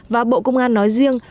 và bộ công an nói riêng